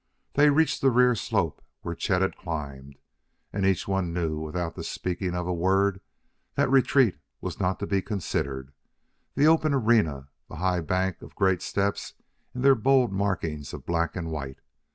They reached the rear slope where Chet had climbed. And each one knew without the speaking of a word that retreat was not to be considered. The open arena! the high bank of great steps in their bold markings of black and white!